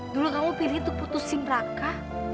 dulu kamu pilih tuh putusin raka